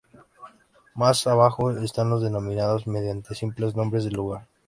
Más abajo están los denominados mediante simples nombres de lugar.